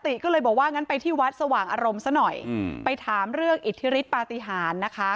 ติก็เลยบอกว่างั้นไปที่วัดสว่างอารมณ์ซะหน่อยไปถามเรื่องอิทธิฤทธปฏิหารนะคะ